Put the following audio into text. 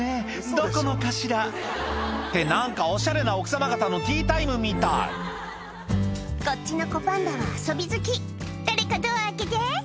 どこのかしら」って何かおしゃれな奥様方のティータイムみたいこっちの子パンダは遊び好き「誰かドア開けて」